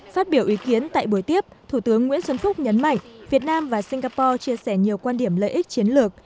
phát biểu ý kiến tại buổi tiếp thủ tướng nguyễn xuân phúc nhấn mạnh việt nam và singapore chia sẻ nhiều quan điểm lợi ích chiến lược